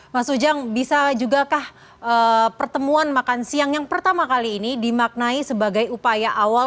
mas ujang bisa jugakah pertemuan makan siang yang pertama kali ini dimaknai sebagai upaya awal